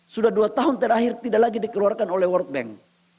sudah dua tahun terakhir tidak lagi dikeluarkan oleh world bank